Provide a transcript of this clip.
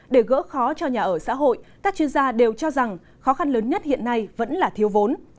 để gỡ khó cho nhà ở xã hội các chuyên gia đều cho rằng khó khăn lớn nhất hiện nay vẫn là thiếu vốn